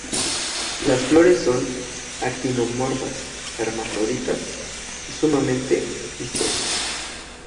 Las flores son actinomorfas, hermafroditas, sumamente vistosas.